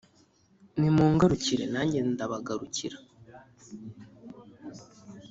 Nimungarukire nanjye ndabagarukira